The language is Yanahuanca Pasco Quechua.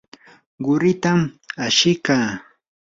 quritam ashikaa.